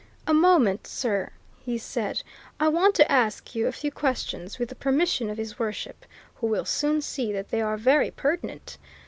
"A moment, sir," he said. "I want to ask you a few questions, with the permission of His Worship, who will soon see that they are very pertinent.